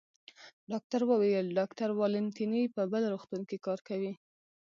ډاکټر وویل: ډاکټر والنتیني په بل روغتون کې کار کوي.